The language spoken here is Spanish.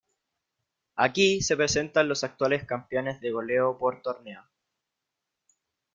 Aquí se presentan los actuales campeones de goleo por torneo.